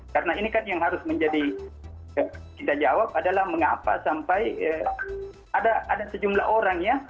karena ini kan yang harus menjadi kita jawab adalah mengapa sampai ada sejumlah orang ya